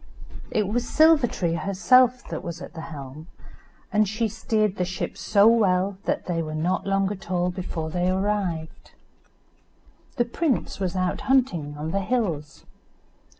It was Silver tree herself that was at the helm, and she steered the ship so well that they were not long at all before they arrived. The prince was out hunting on the hills.